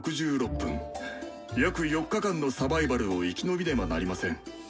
約４日間のサバイバルを生き延びねばなりません。